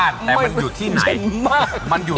แล้วมันคิดดู